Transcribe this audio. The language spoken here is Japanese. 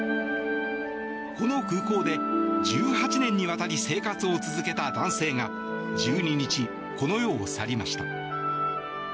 この空港で１８年にわたり生活を続けた男性が１２日、この世を去りました。